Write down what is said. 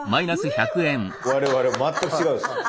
我々全く違うんです。